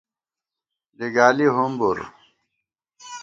لِگالی ہُمبُر